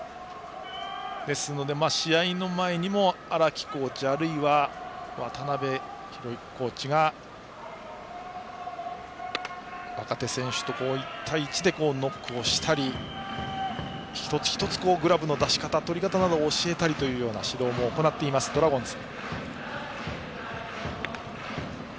ですので試合前にも荒木コーチあるいは渡邉コーチが若手選手と１対１でノックをしたり一つ一つグラブの出し方とり方などを教えたりという指導も行っていますドラゴンズ。